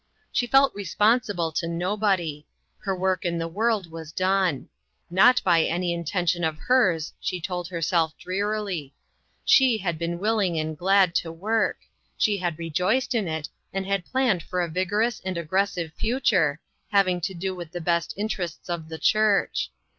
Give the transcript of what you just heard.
She felt responsible to nobody. Her work in the world was done. Not by any inten tion of hers, she told herself drearily; she had been willing and glad to work; she had rejoiced in it, and had planned for a vigorous and aggressive future, having to do with the best interests of the church.